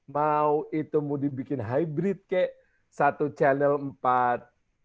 mau itu mau dibikin hybrid kek satu channel empat